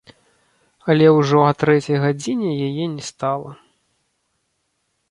Але ўжо а трэцяй гадзіне яе не стала.